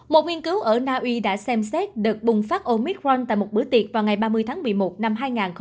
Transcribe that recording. một nghiên cứu ở na uy đã xem xét đợt bùng phát omicron tại một bữa tiệc vào ngày ba mươi tháng một mươi một năm hai nghìn hai mươi một